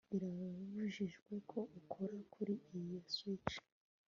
Birabujijwe ko ukora kuri iyo switch